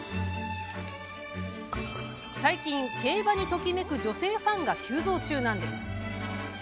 最近、競馬にときめく女性ファンが急増中なんです。